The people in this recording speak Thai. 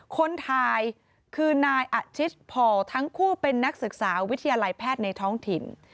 คนถ่ายคือนายอาชิสพทั้งคู่เป็นนักศึกษาวิทยาลัยแพทย์ในท้องถิ่น